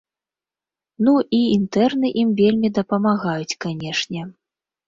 Ну і інтэрны ім вельмі дапамагаюць, канечне.